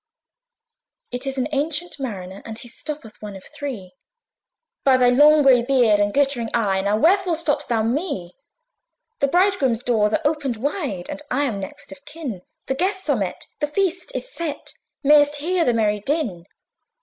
It is an ancient Mariner, And he stoppeth one of three. "By thy long grey beard and glittering eye, Now wherefore stopp'st thou me? "The Bridegroom's doors are opened wide, And I am next of kin; The guests are met, the feast is set: May'st hear the merry din."